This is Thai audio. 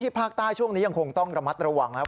ภาคใต้ช่วงนี้ยังคงต้องระมัดระวังนะครับ